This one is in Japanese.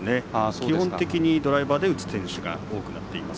基本的にドライバーで打つ選手が多くなっています。